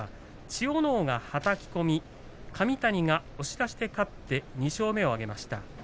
千代ノ皇がはたき込み神谷が押し出しで勝って２勝目を挙げました。